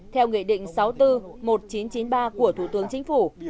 theo nghị định sáu mươi bốn một nghìn chín trăm chín mươi ba của thủ tướng chính phủ